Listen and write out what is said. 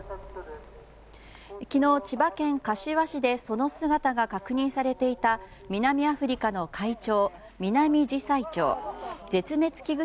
昨日、千葉県柏市でその姿が確認されていた南アフリカの怪鳥ミナミジサイチョウ。